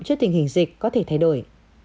cho tình hình dịch có thể thay đổi